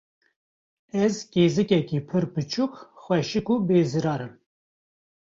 Ez kêzikeke pir biçûk, xweşik û bêzirar im.